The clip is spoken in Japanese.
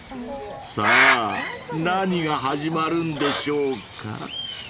［さぁ何が始まるんでしょうか？］